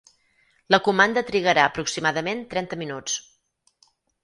La comanda trigarà aproximadament trenta minuts.